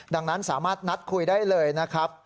ดังนั้นสามารถนัดคุยได้เลยนะครับ